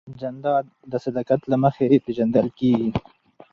جانداد د صداقت له مخې پېژندل کېږي.